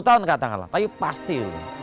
sepuluh tahun katakanlah tapi pasti